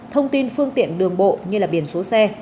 thông tin phương tiện đường bộ như biển số xe